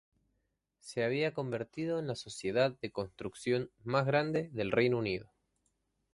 Se había convertido en la sociedad de construcción más grande del Reino Unido.